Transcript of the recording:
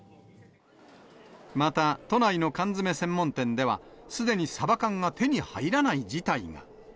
また、都内の缶詰専門店ではすでにサバ缶が手に入らない事態が。